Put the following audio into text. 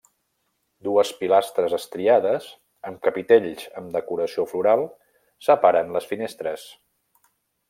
Dues pilastres estriades, amb capitells amb decoració floral, separen les finestres.